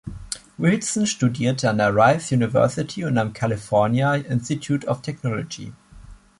Wilson studierte an der Rice University und am California Institute of Technology.